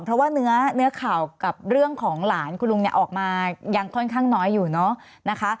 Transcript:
เพราะว่าเนื้อข่าวกับเรื่องของหลานคุณลุงเนี่ยออกมายังค่อนข้างน้อยอยู่เนอะนะคะ